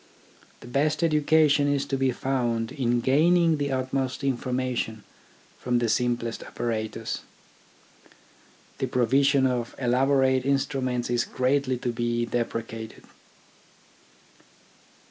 The best education is to be found in gaining the utmost informa tion from the simplest apparatus. The provision of elaborate instruments is greatly to be depre cated.